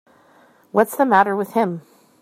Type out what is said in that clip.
What's the matter with him.